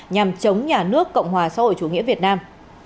nhằm chống nhà nước cộng hòa xã hội chủ nghĩa việt nam